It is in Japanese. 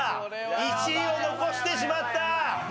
１位を残してしまった！